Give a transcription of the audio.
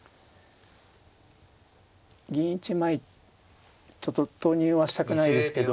銀１枚投入はしたくないですけど。